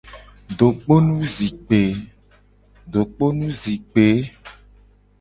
Dokponu zikpe.